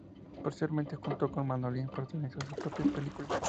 Posteriormente, junto con Manolín, protagonizó sus propias películas.